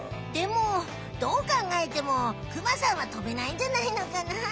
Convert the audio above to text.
でもどうかんがえてもクマさんはとべないんじゃないのかな？